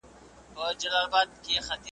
ستا په لاس هتکړۍ وینم بې وسۍ ته مي ژړېږم .